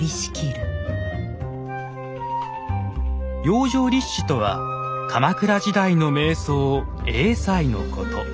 「葉上律師」とは鎌倉時代の名僧栄西のこと。